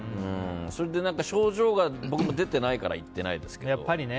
それで症状が僕、出てないから行ってないですけど。